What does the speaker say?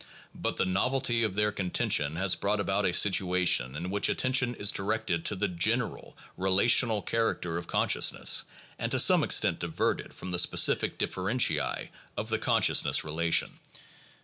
But the novelty of their contention has brought about a situation in which attention is directed to the general relational character of consciousness and to some extent diverted from the specific differentiae of the consciousness relation.